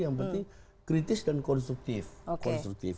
yang penting kritis dan konstruktif konstruktif